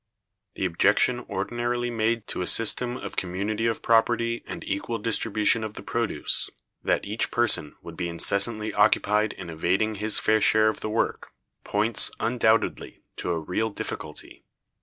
The objection ordinarily made to a system of community of property and equal distribution of the produce, that each person would be incessantly occupied in evading his fair share of the work, points, undoubtedly, to a real difficulty.